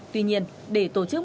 tuy nhiên để tổ chức